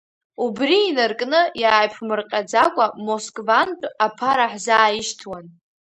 Убри инаркны иааиԥмырҟьаӡакәа Москвантә аԥара ҳзааишьҭуан.